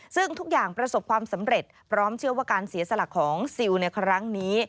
ซึ่งทุกอย่างประสบความสำเร็จพร้อมเชื่อว่าการเสียสละของซิลในครั้งนี้